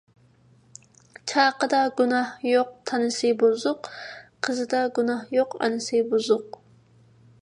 چاقىدا گۇناھ يوق، تانىسى بۇزۇق. قىزىدا گۇناھ يوق، ئانىسى بۇزۇق.